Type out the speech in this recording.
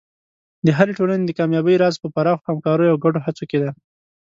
د هرې ټولنې د کامیابۍ راز په پراخو همکاریو او ګډو هڅو کې دی.